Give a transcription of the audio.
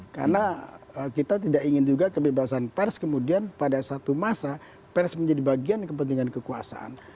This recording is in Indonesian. karena kita tidak ingin juga kebebasan pers kemudian pada satu masa pers menjadi bagian kepentingan kekuasaan